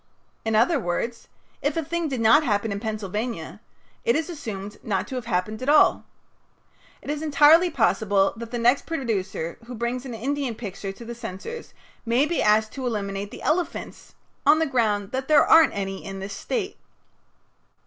In other words, if a thing did not happen in Pennsylvania it is assumed not to have happened at all. It is entirely possible that the next producer who brings an Indian picture to the censors may be asked to eliminate the elephants on the ground that "there aren't any in this State."